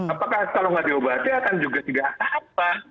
apakah kalau tidak diobati akan juga tidak apa